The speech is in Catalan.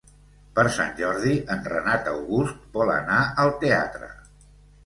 Per Sant Jordi en Renat August vol anar al teatre.